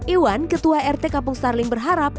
iwan ketua rt kampung starling berharap